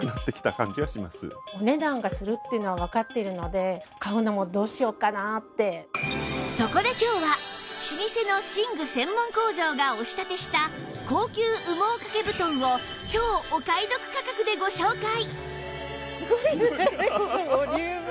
でもこちらのご夫妻はそこで今日は老舗の寝具専門工場がお仕立てした高級羽毛掛け布団を超お買い得価格でご紹介！